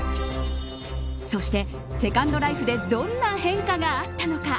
そしてセカンドライフでどんな変化があったのか。